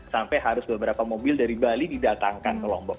sampai harus beberapa mobil dari bali didatangkan ke lombok